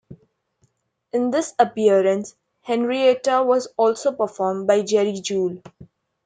In this appearance, Henrietta was also performed by Jerry Juhl.